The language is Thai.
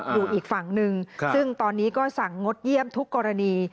อยู่อีกฝั่งหนึ่งซึ่งตอนนี้ก็สั่งงดเยี่ยมทุกกรณี